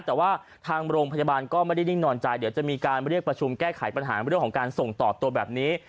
แต่ว่าทางโรงพยาบาลก็ไม่ได้นิ่งนอนใจเดี๋ยวจะมีการเรียกประชุมแก้ไขปัญหาเรื่องของการส่งต่อตัวแบบนี้